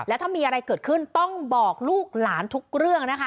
ถ้ามีอะไรเกิดขึ้นต้องบอกลูกหลานทุกเรื่องนะคะ